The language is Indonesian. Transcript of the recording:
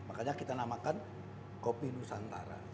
makanya kita namakan kopi nusantara